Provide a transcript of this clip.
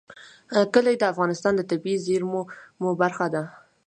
کلي د افغانستان د طبیعي زیرمو برخه ده.